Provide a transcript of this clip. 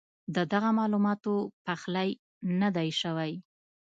ددغه معلوماتو پخلی نۀ دی شوی